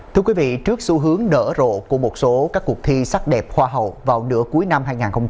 thưa quý vị trước xu hướng nở rộ của một số các cuộc thi sắc đẹp hoa hậu vào nửa cuối năm hai nghìn hai mươi bốn